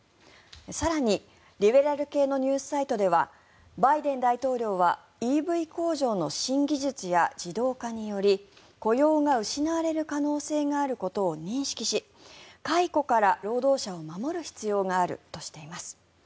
更にリベラル系のニュースサイトではバイデン大統領はＥＶ工場の新技術や自動化により雇用が失われる可能性があることを認識し解雇から労働者を守る必要があるとしています。